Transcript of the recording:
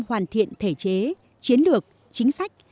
hoàn thiện thể chế chiến lược chính sách